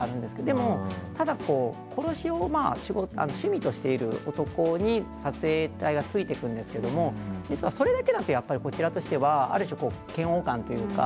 でも、ただ殺しを趣味としている男に撮影隊がついていくんですけども実はそれだけだとこちらとしてはある種、嫌悪感というか。